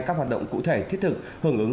các hoạt động cụ thể thiết thực hưởng ứng